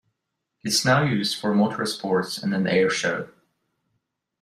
It is now used for motorsports and an airshow.